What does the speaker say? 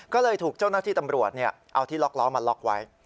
ก็เลยถูกเจ้าหน้าที่ตำรวจเอาที่ล็อกล้อมาล็อกไว้